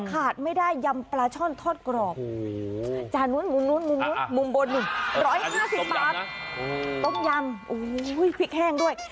ขาดไม่ได้ยำปลาช่อนทอดกรอบจานนู้นมุมนู้นมุมนู้นมุมบน๑๕๐บาทต้มยำโอ้โหพริกแห้งด้วย